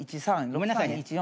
ごめんなさいね。